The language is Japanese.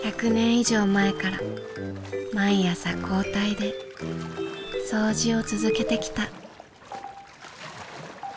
以上前から毎朝交代で掃除を続けてきた。